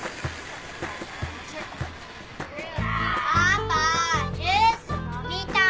・パパジュース飲みたい・・